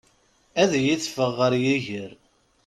Ad iyi-teffeɣ ɣer yiger.